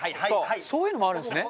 そういうのもあるんですね。